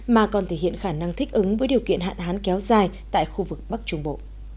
mà còn thể hiện khả năng thích ứng với điều kiện hạn hán kéo dài tại khu vực bắc trung bộ